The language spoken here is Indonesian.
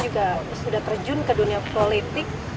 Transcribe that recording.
juga sudah terjun ke dunia politik